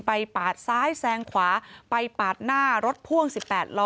ปาดซ้ายแซงขวาไปปาดหน้ารถพ่วง๑๘ล้อ